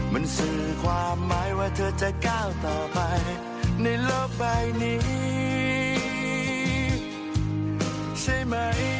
มันสื่อความหมายว่าเธอจะก้าวต่อไปในโลกใบนี้ใช่ไหม